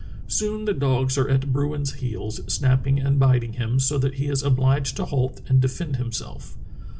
Soon the dogs are at bruin's heels, snapping and biting him so that he is obHged to halt and defend himself.